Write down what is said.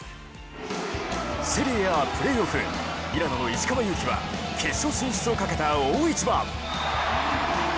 セリエＡ、プレーオフミラノの石川祐希は決勝進出をかけた大一番。